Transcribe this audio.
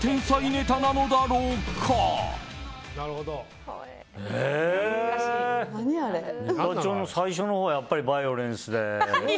ネタ帳の最初のほうやっぱりバイオレンスで。